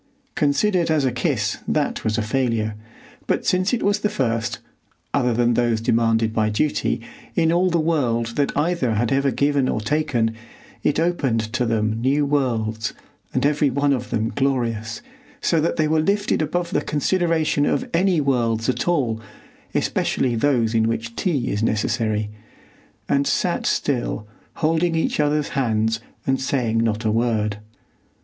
Considered as a kiss, that was a failure, but since it was the first, other than those demanded by duty, in all the world that either had ever given or taken, it opened to them new worlds, and every one of them glorious, so that they were lifted above the consideration of any worlds at all, especially those in which tea is necessary, and sat still, holding each other's hands and saying not a word.